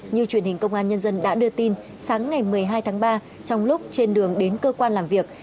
như truyền hình công an nhân dân đã đưa tin sáng ngày một mươi hai tháng ba trong lúc trên đường đến cơ quan làm việc